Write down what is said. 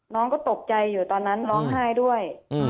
น้องก็ตกใจอยู่ตอนนั้นร้องไห้ด้วย